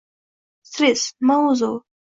— Stress? Nima o’zi u?